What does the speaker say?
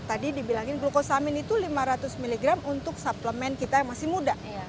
tadi dibilangin glukosamin itu lima ratus mg untuk suplemen kita yang masih muda